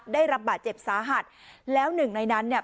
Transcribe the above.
ได้รับบาดเจ็บสาหัสแล้วหนึ่งในนั้นเนี่ย